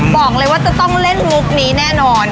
บอกเลยว่าจะต้องเล่นมุกนี้แน่นอน